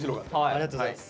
ありがとうございます。